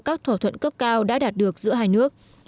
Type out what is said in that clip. các thỏa thuận cấp cao đã đạt được giữa hai nước